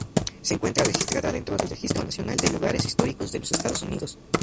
Se encuentra registrada dentro del Registro Nacional de Lugares Históricos de los Estados Unidos.